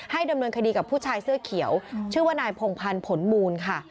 ดำเนินคดีกับผู้ชายเสื้อเขียวชื่อว่านายพงพันธ์ผลมูลค่ะ